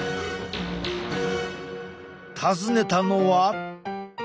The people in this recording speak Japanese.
訪ねたのは。